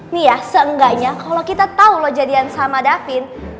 nih ya seenggaknya kalo kita tau lo jadian sama davin